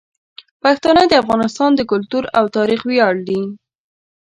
پښتانه د افغانستان د کلتور او تاریخ ویاړ دي.